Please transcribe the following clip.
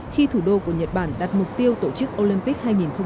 khi thủ đô của nhật bản đặt mục tiêu tổ chức olympic hai nghìn hai mươi